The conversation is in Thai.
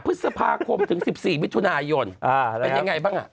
๑๕พฤทธิษภาคมถึง๑๔วิทยุณายนเป็นยังไงบ้าง